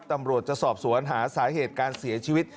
ตำรวจจะสอบสวนหาสาเหตุการเสียชีวิต